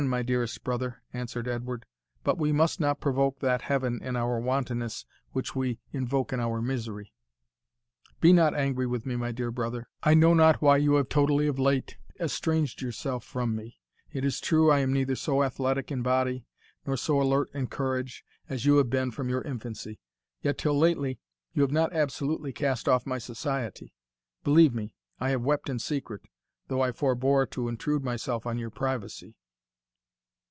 my dearest brother," answered Edward; "but we must not provoke that Heaven in our wantonness which we invoke in our misery. Be not angry with me, my dear brother I know not why you have totally of late estranged yourself from me It is true, I am neither so athletic in body, nor so alert in courage, as you have been from your infancy; yet, till lately, you have not absolutely cast off my society Believe me, I have wept in secret, though I forbore to intrude myself on your privacy.